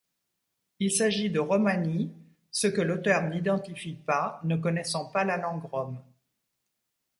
Il s'agit de romani, ce que l’auteur n'identifie pas, ne connaissant la langue rom.